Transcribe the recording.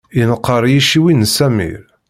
Yenqer yiciwi n Samir.